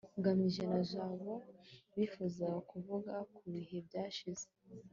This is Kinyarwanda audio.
ngamije na jabo bifuzaga kuvuga ku bihe byashize